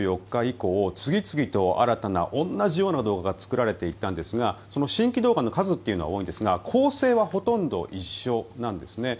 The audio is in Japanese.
本当に２４日以降次々と新たな同じような動画が作られていったんですが新規動画の数というのは多いんですが構成はほとんど一緒なんですね。